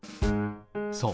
そう。